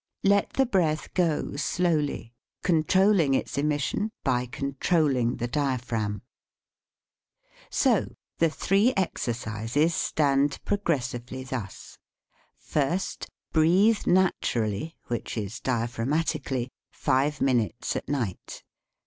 Let the breath go slowly, con trolling its emission by controlling the dia phragm. So the three exercises stand progressively thus: First. Breathe naturally, which is dia phragmatically, five minutes at night.